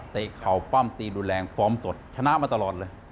เข่าปั้มตีรุนแรงฟอร์มสดชนะมาตลอดเลย